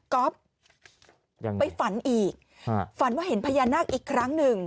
ก๊อฟไปฝันอีกฝันว่าเห็นพญานาคอีกครั้งหนึ่ง